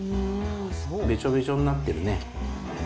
べちょべちょになってるね。